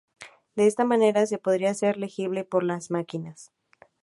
De esta manera se podrá hacer legible por la máquina.